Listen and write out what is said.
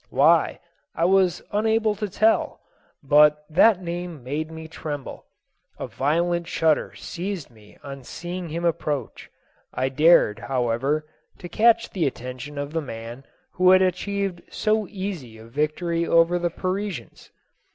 Why, I was unable to tell, but that name made me tremble ; a violent shudder seized me on seeing him approach. I dared, however, to catch the attention of the man who had achieved so easy a victory over the Parisians.